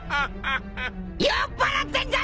酔っぱらってんじゃねえか！！